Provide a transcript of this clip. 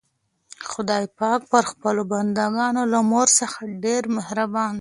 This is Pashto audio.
خدای پاک پر خپلو بندګانو له مور څخه ډېر مهربان دی.